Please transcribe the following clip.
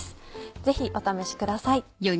ぜひお試しください。